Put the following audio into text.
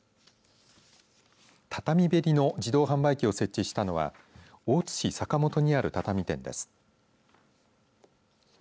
畳べりの自動販売機を設置したのは大津市坂本にある畳店です。